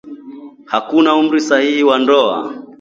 Hakuna umri sahihi wa ndoa